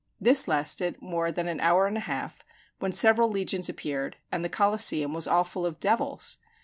This lasted more than an hour and a half; when several legions appeared, and the Coliseum was all full of devils.